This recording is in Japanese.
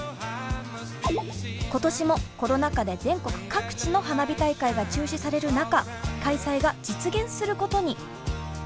今年もコロナ禍で全国各地の花火大会が中止される中開催が実現することに。